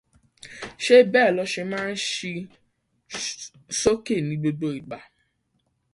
Ṣé bẹ́ẹ̀ ló ṣe ma máa ṣí sókè ní gbogbo ìgbà.